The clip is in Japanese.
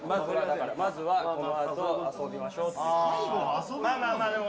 まずはこのあと遊びましょうと。